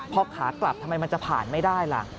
พอขากลับทำไมมันจะผ่านไม่ได้ล่ะ